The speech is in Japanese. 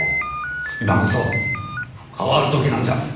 今こそ変わる時なんじゃ。